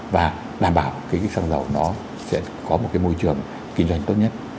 và đảm bảo cái xăng dầu nó sẽ có một cái môi trường kinh doanh tốt nhất